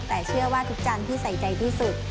แต่เชื่อว่าทุกจานที่ใส่ใจที่สุด